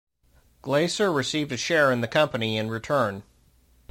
Glaser received a share in the company in return.